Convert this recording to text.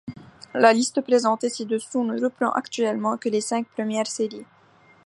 La liste présentée ci-dessous ne reprend actuellement que les cinq premières séries.